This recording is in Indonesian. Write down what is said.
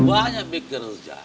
semakin banyak bekerja